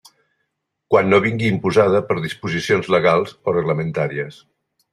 Quan no vingui imposada per disposicions legals o reglamentàries.